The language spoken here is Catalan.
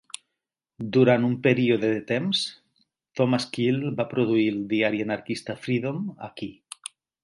Durant un període de temps, Thomas Keell va produir el diari anarquista "Freedom" aquí.